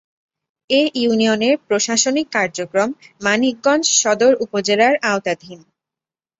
এ ইউনিয়নের প্রশাসনিক কার্যক্রম মানিকগঞ্জ সদর উপজেলার আওতাধীন।